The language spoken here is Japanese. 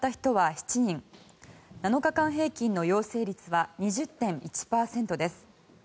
７日間平均の陽性率は２０．１％です。